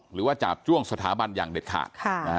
จาบจ้วงสถาบันอย่างเด็ดขาด